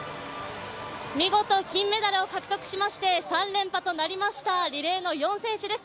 見事金メダルを獲得しまして３連覇となりましたリレーの４選手です。